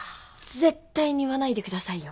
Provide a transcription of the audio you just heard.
絶対に言わないでくださいよ。